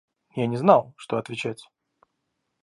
Я не знал, что отвечать.